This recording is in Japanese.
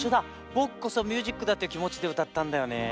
ぼくこそミュージックだっていうきもちでうたったんだよねえ。